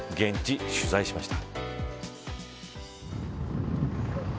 現地、取材しました。